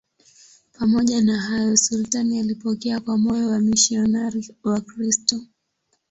Pamoja na hayo, sultani alipokea kwa moyo wamisionari Wakristo.